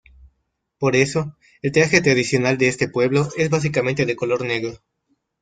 Por eso, el traje tradicional de este pueblo es básicamente de color negro.